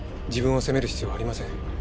自分を責める必要はありません。